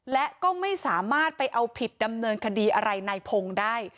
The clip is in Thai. และก็ไม่สามารถไปเอาผิดดำเนินคดีอะไรในพงศ์ได้